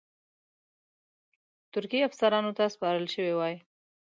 ترکي افسرانو ته سپارل شوی وای.